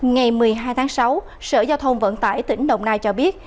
ngày một mươi hai tháng sáu sở giao thông vận tải tỉnh đồng nai cho biết